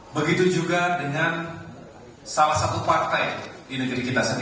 begitu juga dengan salah satu partai di negeri kita sendiri